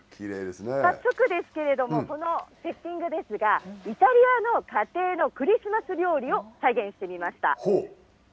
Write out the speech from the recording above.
早速ですけれども、このセッティングですが、イタリアの家庭のクリスマス料理を再現してみました。